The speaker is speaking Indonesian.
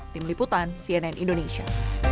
tim liputan cnn indonesia